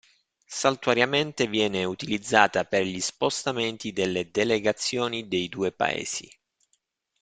Saltuariamente viene utilizzata per gli spostamenti delle delegazioni dei due paesi.